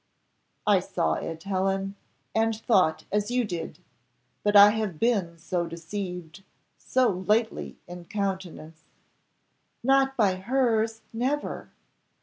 "I saw it, Helen, and thought as you did, but I have been so deceived so lately in countenance!" "Not by hers never."